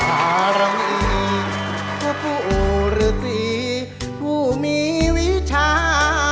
ของประหารองค์อีกก็พูดสิกูมีวิชา